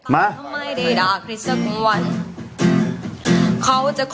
มา